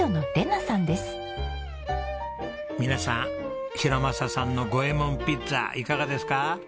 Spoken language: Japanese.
皆さん博正さんのゴエモン・ピッツァいかがですか？